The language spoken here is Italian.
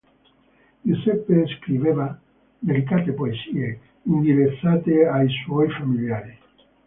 Giuseppe scriveva delicate poesie, indirizzate ai suoi familiari.